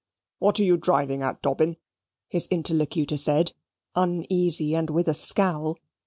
"What are you driving at, Dobbin?" his interlocutor said, uneasy and with a scowl.